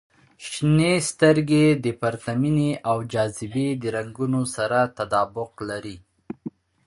• شنې سترګې د پرتمینې او جاذبې د رنګونو سره تطابق لري.